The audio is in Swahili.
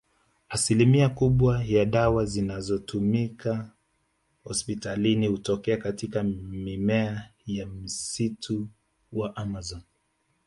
Asilimia kubwa ya dawa zinazotumika hospitalini hutokea katika mimea ya msitu wa Amazon